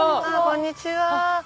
こんにちは。